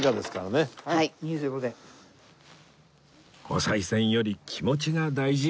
おさい銭より気持ちが大事